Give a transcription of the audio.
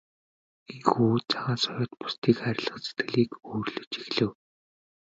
Ийнхүү Цагаан соёот бусдыг хайрлах сэтгэлийг өвөрлөж эхлэв.